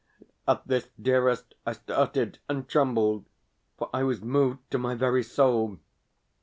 At this, dearest, I started and trembled, for I was moved to my very soul.